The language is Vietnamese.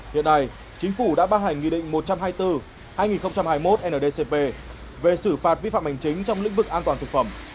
hiện nay chính phủ đã ban hành nghị định một trăm hai mươi bốn hai nghìn hai mươi một ndcp về xử phạt vi phạm hành chính trong lĩnh vực an toàn thực phẩm